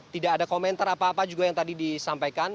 tidak ada komentar apa apa juga yang tadi disampaikan